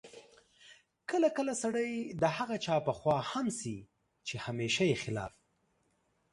کله کله سړی د هغه چا په خوا هم شي چې همېشه یې خلاف